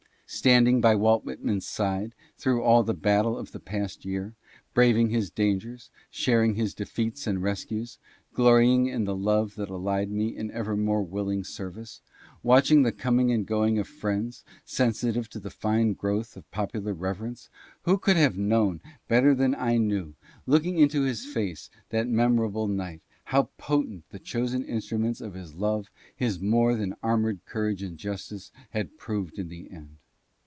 Standing by Walt Whitman's side through all the battle of the past year, braving his dangers, sharing his defeats and rescues, glorying in the love that allied me in ever more willing service, watching the coming and going of friends, sensitive to the fine growth of popular reverence — who could have known better than I knew, looking in his face that memorable night, how potent the chosen instruments of his love, his more than armored courage and justice, had proved in the end?